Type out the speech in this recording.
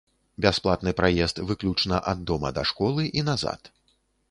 Бясплатны праезд выключна ад дома да школы і назад.